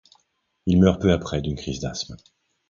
Il meurt peu après d'une crise d'asthme.